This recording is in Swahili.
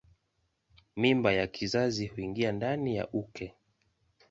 Mimba ya kizazi huingia ndani ya uke.